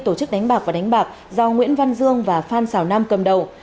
tổ chức đánh bạc và đánh bạc do nguyễn văn dương và phan xào nam cầm đầu